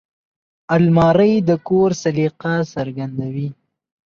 الماري د کور سلیقه څرګندوي